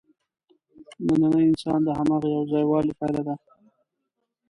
نننی انسان د هماغه یوځایوالي پایله ده.